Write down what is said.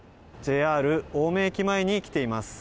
ＪＲ青梅駅前に来ています。